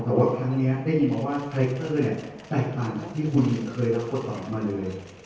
แต่ว่าครั้งนี้ได้ยินมาว่าไฟเตอร์แตกต่างจากที่คุณเคยรับตัวตอบมาเลย